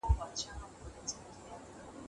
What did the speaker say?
د استاد رشاد ليکنې د ملي افکارو د خپرولو وسيله ده.